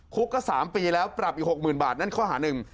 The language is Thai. คุกก็๓ปีแล้วปรับอีก๖๐๐๐บาทนั่นข้อหาหนึ่ง